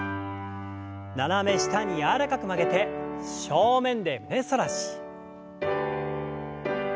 斜め下に柔らかく曲げて正面で胸反らし。